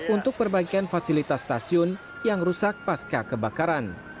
untuk perbaikan fasilitas stasiun yang rusak pasca kebakaran